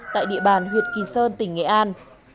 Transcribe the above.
tại địa bàn huyệt kỳ sơn tỉnh nghệ an